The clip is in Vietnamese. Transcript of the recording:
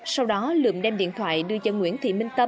sau đó lượm đem điện thoại đưa cho nguyễn thị minh tâm